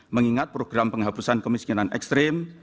mengingat program penghapusan kemiskinan ekstrim